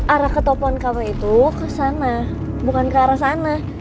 arah ke topon kafe itu ke sana bukan ke arah sana